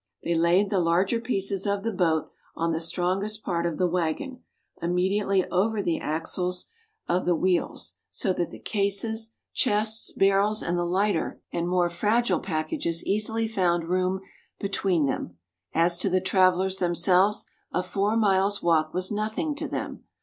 They laid the larger pieces of the boat on the strongest part of the waggon, immediately over the axles of the a8 MERIDIANA; THE ADVENTURES OF wheels, so that the cases, chests, barrels, and the lighter and more fragile packages easily found room between them. As to the travellers themselves, a four miles' walk was nothing to them.